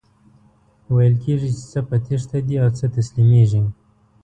ویل کیږي چی څه په تیښته دي او څه تسلیمیږي.